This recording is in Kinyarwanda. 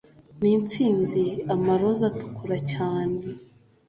nitsinzi 'amaroza atukura cyane